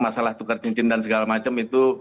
masalah tukar cincin dan segala macam itu